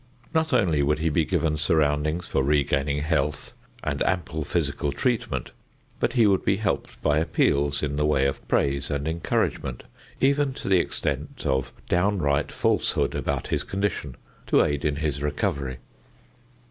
Not only would he be given surroundings for regaining health and ample physical treatment, but he would be helped by appeals in the way of praise and encouragement, even to the extent of downright falsehood about his condition, to aid in his recovery.